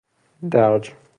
درج